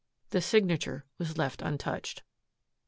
The signature was left untouched.